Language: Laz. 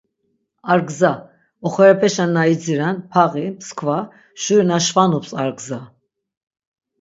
A gza; oxorepeşen na idziren, paği, mskva, şuri na şvanups ar gza...